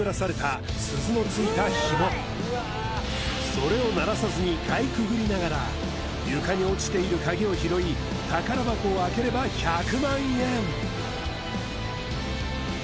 それを鳴らさずにかいくぐりながら床に落ちている鍵を拾い宝箱を開ければ１００万円！